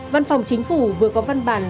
văn phòng chính phủ vừa có văn bản